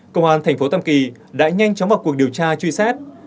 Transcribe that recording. công an thành phố tam kỳ đã nhanh chóng vào cuộc điều tra truy xét